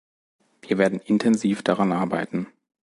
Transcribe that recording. Wir werden intensiv daran arbeiten.